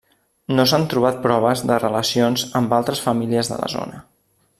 No s'han trobat proves de relacions amb altres famílies de la zona.